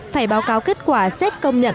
phải báo cáo kết quả xét công nhận